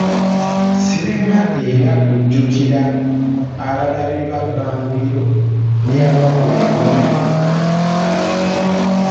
Sirema era kujjukira abalabi ba Bbanguliro lya Wakulennume.